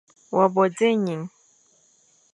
Wa bo dzé ening.